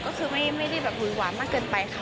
ก็คือไม่ได้แบบหุยหวานมากเกินไปค่ะ